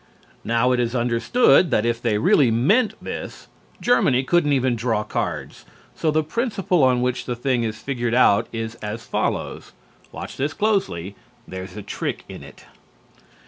Now, it is understood that if they really meant this, Germany couldn't even draw cards; so the principle on which the thing is figured out is as follows: (Watch this closely; there is a trick in it).